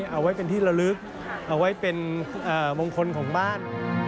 เอาไว้เป็นที่ละลึกเอาไว้เป็นมงคลของบ้าน